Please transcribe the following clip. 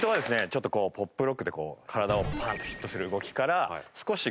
ちょっとポップロックでこう体をパンとヒットする動きから少し